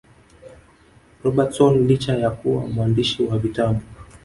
Robertson licha ya kuwa mwandishi wa vitabu